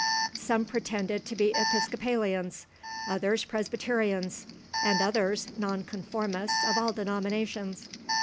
Some pretended to be Episcopalians, others Presbyterians, and others Nonconformists of all denominations.